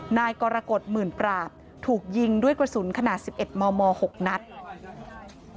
นายกรกฎหมื่นปราบถูกยิงด้วยกระสุนขนาด๑๑มม๖นัด